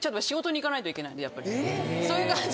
そういう感じ。